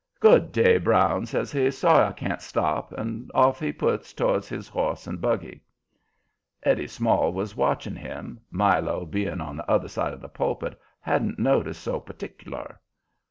"Good day, Brown," says he. "Sorry I can't stop." And off he puts towards his horse and buggy. Eddie Small was watching him. Milo, being on the other side of the pulpit, hadn't noticed so partic'lar.